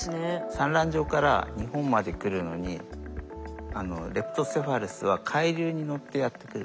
産卵場から日本まで来るのにレプトセファルスは海流に乗ってやって来るんです。